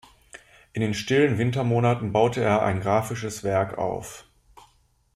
In den stillen Wintermonaten baute er ein graphisches Werk auf.